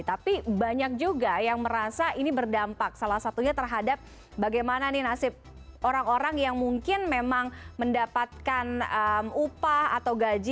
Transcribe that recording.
tapi banyak juga yang merasa ini berdampak salah satunya terhadap bagaimana nih nasib orang orang yang mungkin memang mendapatkan upah atau gaji